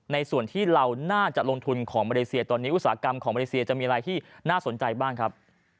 ในส่วนที่เราน่าจะลงทุนของมาเลเซียตอนนี้อุตสาหกรรมของมาเลเซียจะมีอะไรที่น่าสนใจบ้างครับ